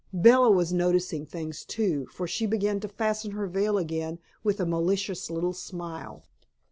Bella was noticing things, too, for she began to fasten her veil again with a malicious little smile.